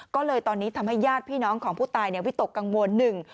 ก็เลยตอนนี้ทำให้ญาติพี่น้องของผู้ตายวิตกกังวลหนึ่ง